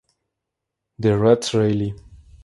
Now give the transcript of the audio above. D- Rats Rally.